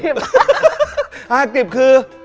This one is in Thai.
ห้าอากหกริบคือ